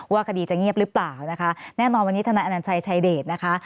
คดีจะเงียบหรือเปล่านะคะแน่นอนวันนี้ทนายอนัญชัยชายเดชนะคะ